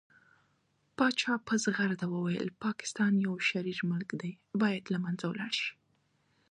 پاچا په ځغرده وويل پاکستان يو شرير ملک دى بايد له منځه ولاړ شي .